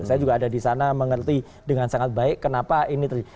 saya juga ada di sana mengerti dengan sangat baik kenapa ini terjadi